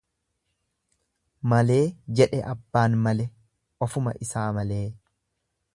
malee jedhe abbaan male ofuma isaa malee